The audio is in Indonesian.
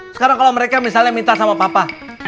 sekarang kalau mereka misalnya minta sama papa